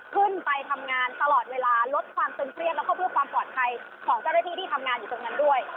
ขึ้นไปทำงานตลอดเวลาลดความตึงเครียดแล้วก็เพื่อความปลอดภัยของเจ้าหน้าที่ที่ทำงานอยู่ตรงนั้นด้วย